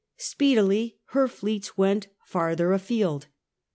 Speedily her fleets went farther afield.